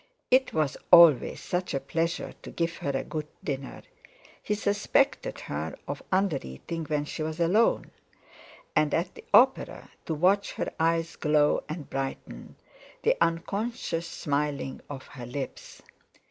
It was always such a pleasure to give her a good dinner—he suspected her of undereating when she was alone; and, at the opera to watch her eyes glow and brighten, the unconscious smiling of her lips.